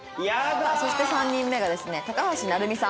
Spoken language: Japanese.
そして３人目がですね高橋成美さん。